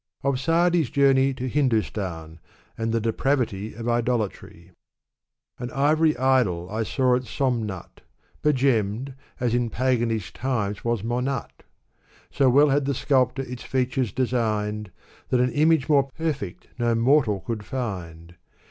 Of Sa'di's Journey to Hindustan and the Deprav rrv OF Idolatry. An ivory idol I saw at Somnat,^ Begemmed, as in paganish times was Monat' So well had the sculptor its features designed. That an image more perfect no mortal could find.